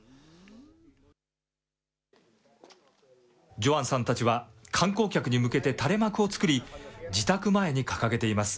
ジョアンさんたちは、観光客に向けて垂れ幕を作り、自宅前に掲げています。